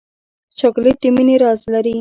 چاکلېټ د مینې راز لري.